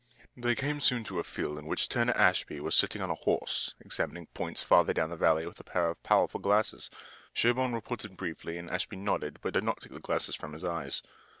They came soon to a field in which Turner Ashby was sitting on a horse, examining points further down the valley with a pair of powerful glasses. Sherburne reported briefly and Ashby nodded, but did not take the glasses from his eyes.